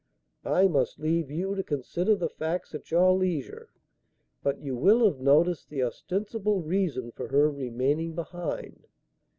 "I must leave you to consider the facts at your leisure; but you will have noticed the ostensible reason for her remaining behind.